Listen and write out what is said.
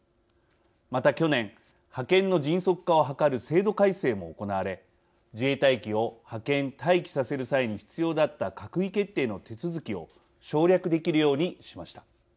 また去年派遣の迅速化を図る制度改正も行われ自衛隊機を派遣・待機させる際に必要だった閣議決定の手続きを省略できるようにしました。